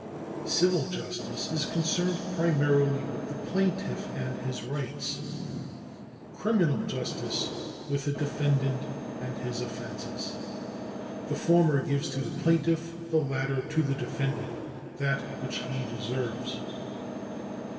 Civil justice is concerned primarily with the plaintiff and his rights ; criminal justice with the defendant and his offences. The former gives to the plaintiff, the latter to the defendant, that which he deserves.